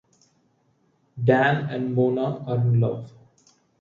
Dan and Mona are in love.